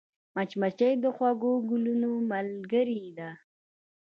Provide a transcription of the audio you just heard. مچمچۍ د خوږو ګلونو ملګرې ده